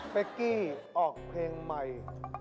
กี้ออกเพลงใหม่